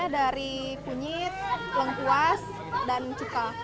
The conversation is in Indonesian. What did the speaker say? dari kunyit lengkuas dan cuka